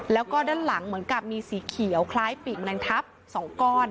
แล้วก็ด้านหลังเหมือนกับมีสีเขียวคล้ายปีกแมลงทับ๒ก้อน